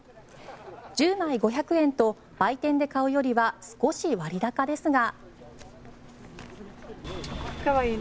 １０枚５００円と売店で買うよりは少し割高ですが。